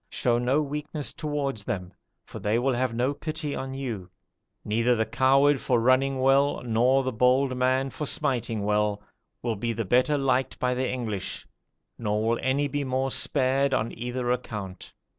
Show no weakness towards them, for they will have no pity on you. Neither the coward for running well, nor the bold man for smiting well, will be the better liked by the English, nor will any be the more spared on either account.